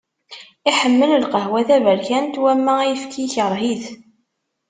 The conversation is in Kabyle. Iḥemmel lqahwa taberkant, wama ayefki ikreh-it.